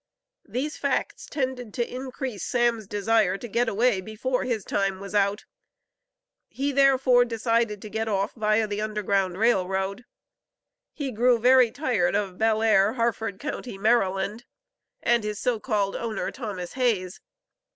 These facts tended to increase Sam's desire to get away before his time was out; he, therefore, decided to get off via the Underground Rail Road. He grew very tired of Bell Air, Harford county, Maryland, and his so called owner, Thomas Hayes.